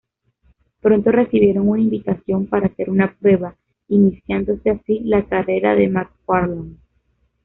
Pronto recibieron una invitación para hacer una prueba, iniciándose así la carrera de McFarland.